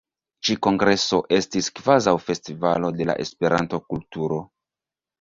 Ĉi kongreso estis kvazaŭ festivalo de la Esperanto-kulturo.